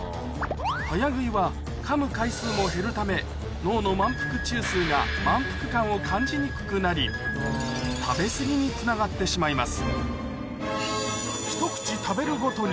早食いはかむ回数も減るため脳の満腹中枢が満腹感を感じにくくなり食べ過ぎにつながってしまいます